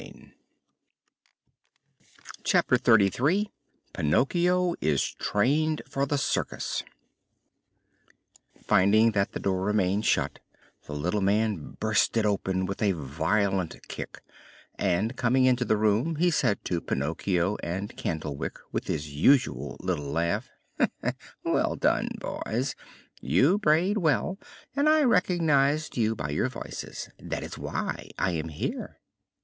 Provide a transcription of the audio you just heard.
CHAPTER XXXIII PINOCCHIO IS TRAINED FOR THE CIRCUS Finding that the door remained shut the little man burst it open with a violent kick and, coming into the room, he said to Pinocchio and Candlewick with his usual little laugh: "Well done, boys! You brayed well, and I recognized you by your voices. That is why I am here."